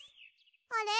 あれ？